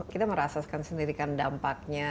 kita merasakan sendiri kan dampaknya